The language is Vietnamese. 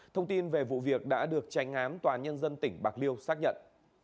thông tin về vụ việc đã được tránh ám tòa nhân dân tỉnh bạc liêu xác nhận